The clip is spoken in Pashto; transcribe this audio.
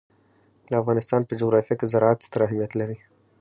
د افغانستان په جغرافیه کې زراعت ستر اهمیت لري.